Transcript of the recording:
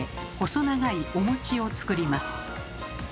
細長いお餅を作ります。